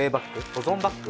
保存バッグ？